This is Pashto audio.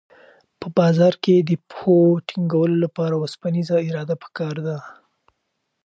په بازار کې د پښو ټینګولو لپاره اوسپنیزه اراده پکار ده.